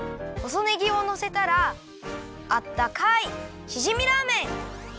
ほそねぎをのせたらあったかいしじみラーメン！